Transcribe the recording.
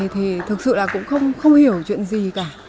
thì thực sự là cũng không hiểu chuyện gì cả